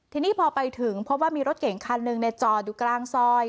ทีนี้พอไปถึงพบว่ามีรถเก่งคันหนึ่งจอดอยู่กลางซอย